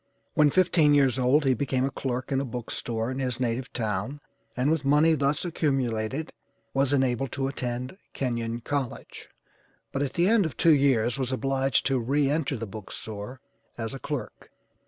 When fifteen years old he became a clerk in a book store in his native town, and with money thus accumulated, was enabled to attend Kenyon College, but at the end of two years was obliged to re enter the book store as a clerk.